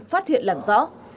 phát hiện làm rõ